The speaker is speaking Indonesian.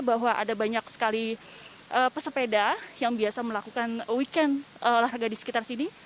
bahwa ada banyak sekali pesepeda yang biasa melakukan weekend olahraga di sekitar sini